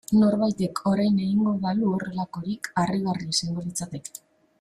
Norbaitek orain egingo balu horrelakorik harrigarria izango litzateke.